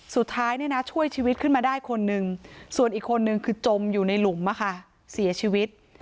สุดท้ายช่วยชีวิตขึ้นมาได้คนนึงส่วนอีกคนนึงคือจมอยู่ในหลุมเสียชีวิต